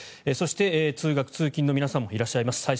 そして、通学・通勤の皆さんもいらっしゃいます。